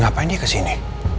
ngapain dia kesini